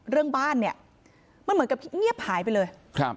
เรื่องบ้านเนี่ยมันเหมือนกับเงียบหายไปเลยครับ